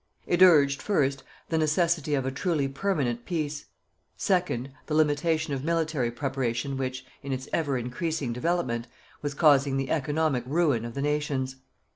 It urged, first, the necessity of a truly permanent peace; second, the limitation of military preparation which, in its ever increasing development, was causing the economic ruin of the nations.